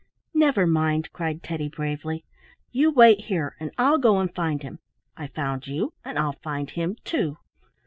"Never mind," cried Teddy, bravely, "you wait here and I'll go and find him. I found you and I'll find him too."